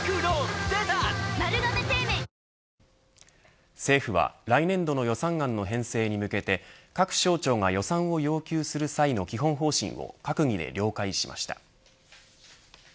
はぁ政府は来年度の予算案の編成に向けて各省庁が予算を要求する際の基本方針を閣議で了解しました。